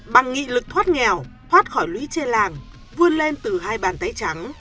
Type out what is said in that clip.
bằng nghị lực thoát nghèo thoát khỏi lũy trên làng vươn lên từ hai bàn tay trắng